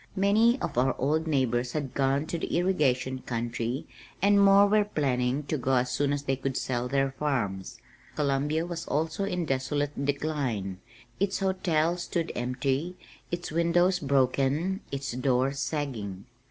Many of our old neighbors had gone "to the irrigation country" and more were planning to go as soon as they could sell their farms. Columbia was also in desolate decline. Its hotel stood empty, its windows broken, its doors sagging.